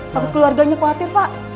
bapak keluarganya khawatir pak